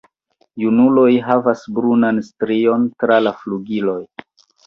Junuloj havas brunan strion tra la flugiloj.